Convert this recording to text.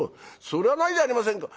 「それはないじゃありませんか。